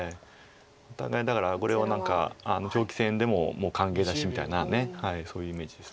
お互いだからこれは何か長期戦でももう歓迎だしみたいなそういうイメージです。